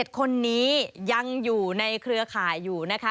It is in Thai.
๗คนนี้ยังอยู่ในเครือข่ายอยู่นะคะ